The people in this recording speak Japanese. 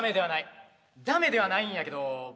駄目ではないんやけど。